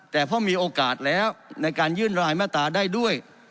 แต่พอมีโอกาสแล้วในการยื่นรายมาตราได้ด้วย